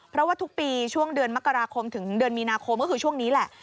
เพราะว่าทุกปีช่วงเดือนมกราคมถึงเดือนมีนาคมก็คือช่วงนี้แหละ